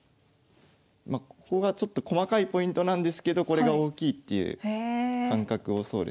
まここがちょっと細かいポイントなんですけどこれが大きいっていう感覚をそうですね。